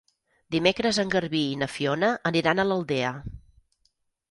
Dimecres en Garbí i na Fiona aniran a l'Aldea.